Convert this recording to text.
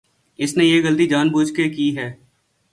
اس نے یہ غلطی جان بوجھ کے کی ہے۔